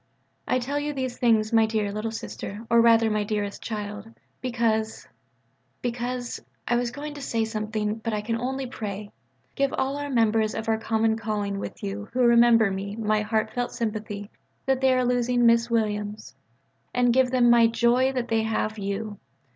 I tell you these things, my dear "Little Sister," or rather my dearest child, because because I was going to say something, but I can only pray.... Give all our members of our common calling with you who remember me my heart felt sympathy that they are losing Miss Williams: and give them joy that they have you.